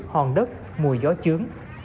hòn đất mùi gió chướng